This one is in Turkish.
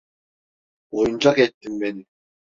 Oyuncak ettin beni.